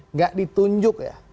nggak ditunjuk ya